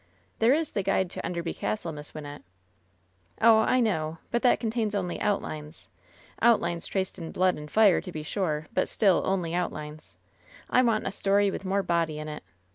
"There is the guide to Enderby Castle, Miss Wyn nette." "Oh, I know; but that contains only outlines — out lines traced in blood and fire, to be sure, but still only outlines. I want a story with more body in it.